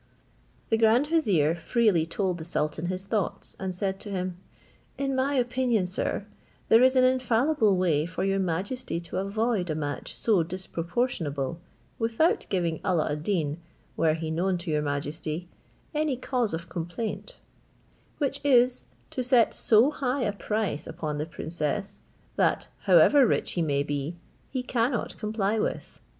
The grand vizier freely told the sultan his thoughts, and said to him, "In my opinion, sir, there is an infallible way for your majesty to avoid a match so disproportionable, without giving Alla ad Deen, were he known to your majesty, any cause of complaint; which is, to set so high a price upon the princess, that, however rich he may be, he cannot comply with.